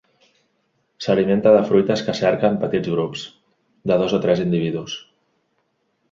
S'alimenta de fruites que cerca en petits grups, de dos o tres individus.